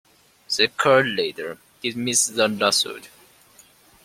The court later dismissed the lawsuit.